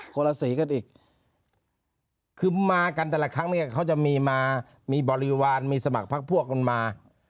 คนละสีกันอีกคือมากันแต่ละครั้งเนี่ยเขาจะมีมามีบริวารมีสมัครพักพวกกันมา